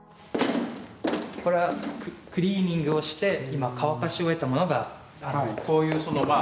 これはクリーニングをして今乾かし終えたものが。